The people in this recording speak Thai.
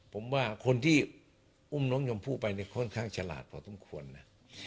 ผมว่าคนที่อุ้มน้องชมพู่ไปเนี่ยค่อนข้างฉลาดพอสมควรนะ